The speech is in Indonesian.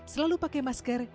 selalu pakai masker